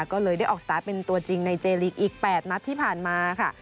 ก็เลยได้ออกสตาร์ทเป็นตัวจริงในเจลีกอีก๘นัดที่ผ่านมาค่ะ